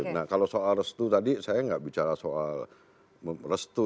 nah kalau soal restu tadi saya nggak bicara soal restu